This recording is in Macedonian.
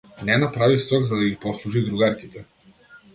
Нена прави сок за да ги послужи другарките.